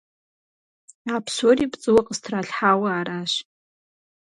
А псори пцӀыуэ къыстралъхьауэ аращ.